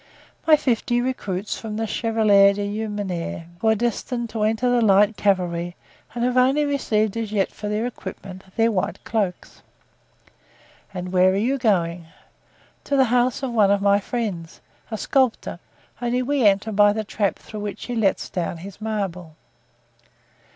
"My fifty recruits from the Chevalier d'Humieres, who are destined to enter the light cavalry and who have only received as yet for their equipment their white cloaks." "And where are you going?" "To the house of one of my friends, a sculptor, only we enter by the trap through which he lets down his marble."